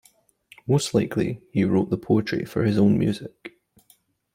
Most likely he wrote the poetry for his own music.